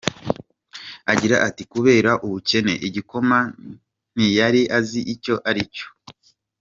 Agira ati “Kubera ubukene, igikoma ntiyari azi icyo ari cyo.